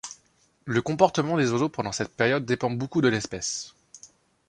Le comportement des oiseaux pendant cette période dépend beaucoup de l'espèce.